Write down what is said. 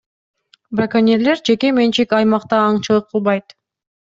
Браконьерлер жеке менчик аймакта аңчылык кылбайт.